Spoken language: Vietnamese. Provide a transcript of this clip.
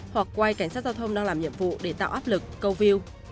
hoặc quay cảnh sát giao thông đang làm nhiệm vụ để tạo áp lực câu view